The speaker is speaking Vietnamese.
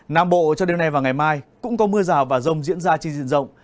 nam bộ cho đêm nay và ngày mai cũng có mưa rào và rông diễn ra trên diện rộng